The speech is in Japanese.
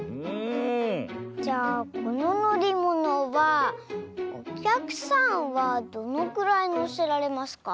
じゃあこののりものはおきゃくさんはどのくらいのせられますか？